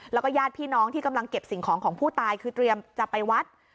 แล้วก็ญาติพี่น้องที่กำลังเก็บสิ่งของของผู้ตายคือเตรียมจะไปวัด